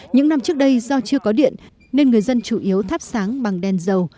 những năm trước đây do chưa có điện nên người dân chủ yếu thắp sáng bằng đen dầu